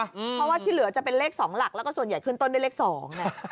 เพราะว่าที่เหลือจะเป็นเลข๒หลักแล้วก็ส่วนใหญ่ขึ้นต้นด้วยเลข๒นะ